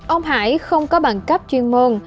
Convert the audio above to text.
ông hải không có bằng cấp chuyên môn